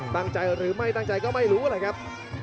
ตั้งใจหรือไม่ตั้งใจก็ไม่รู้แหละครับ